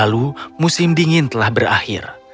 lalu musim dingin telah berakhir